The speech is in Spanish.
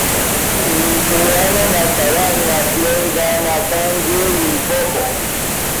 Nkoana-Mashabane nació en Ga-Makanye, Limpopo.